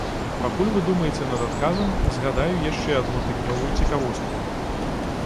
Пакуль вы думаеце над адказам, згадаю яшчэ адну тыднёвую цікавостку.